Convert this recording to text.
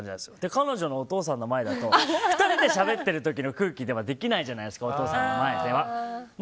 彼女のお父さんの前だと２人でしゃべってる時の空気ではできないじゃないですかお父さんの前では。